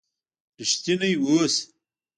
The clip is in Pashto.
رښتينی اوسه